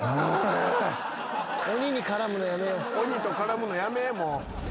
鬼と絡むのやめもう。